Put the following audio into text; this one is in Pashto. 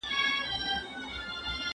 ¬ خېرات دي وسه، د مړو دي ښه په مه سه.